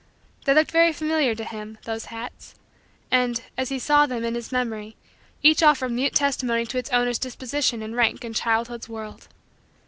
They looked very familiar to him those hats and, as he saw them in his memory, each offered mute testimony to its owner's disposition and rank in childhood's world.